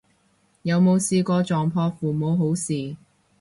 有冇試過撞破父母好事